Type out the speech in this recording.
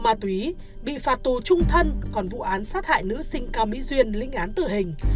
ma túy bị phạt tù trung thân còn vụ án sát hại nữ sinh cao mỹ duyên lĩnh án tử hình